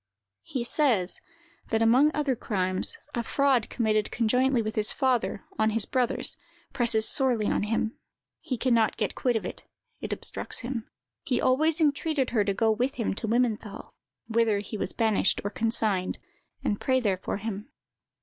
"He says, that among other crimes, a fraud committed conjointly with his father, on his brothers, presses sorely on him; he can not get quit of it; it obstructs him. He always entreated her to go with him to Wimmenthal, whither he was banished, or consigned, and pray there for him.